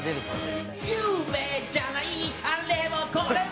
「夢じゃないあれもこれも」